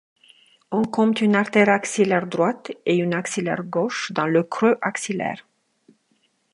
On compte une artère axillaire droite et une axillaire gauche dans le creux axillaire.